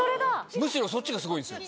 むしろそっちがすごいんですよ。